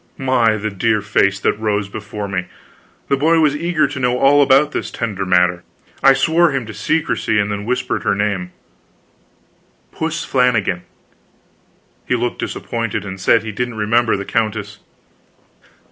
My, the dear face that rose before me! The boy was eager to know all about this tender matter. I swore him to secrecy and then whispered her name "Puss Flanagan." He looked disappointed, and said he didn't remember the countess.